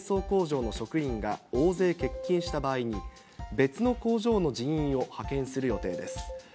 工場の職員が大勢欠勤した場合に、別の工場の人員を派遣する予定です。